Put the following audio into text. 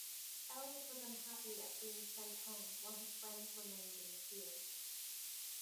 Elliott was unhappy at being sent home while his friends remained in the field.